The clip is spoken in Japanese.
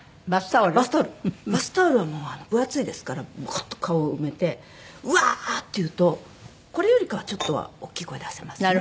バスタオルはもう分厚いですからこうやって顔を埋めてうわー！って言うとこれよりかはちょっとは大きい声出せますね。